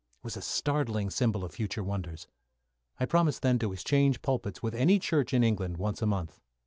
It was a startling symbol of future wonders. I promised then to exchange pulpits with any church in England once a month.